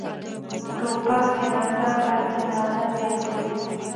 توپک جنازه پر جنازه زیاتوي.